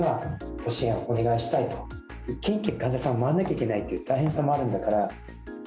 一軒一軒、患者さんを回らなきゃいけないという大変さもあるんだから。